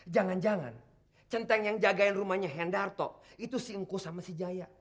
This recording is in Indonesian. jangan jangan centeng yang jagain rumahnya hendarto itu si ingkus sama si jaye